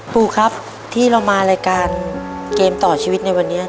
ปูครับที่เรามารายการเกมต่อชีวิตในวันนี้